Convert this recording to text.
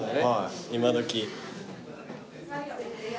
今どき。